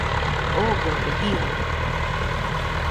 Odogo jiaɨde